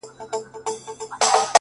• ما ستا په شربتي سونډو خمار مات کړی دی؛